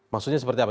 maksudnya seperti apa